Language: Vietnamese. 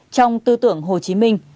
trong tư tưởng hồ chí minh